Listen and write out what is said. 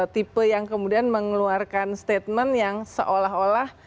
tipe yang kemudian mengeluarkan statement yang seolah olah